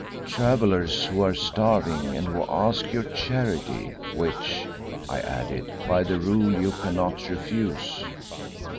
"Travellers who are starving and who ask your charity, which," I added, "by the Rule you cannot refuse."